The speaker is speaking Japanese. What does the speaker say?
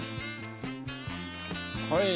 はい！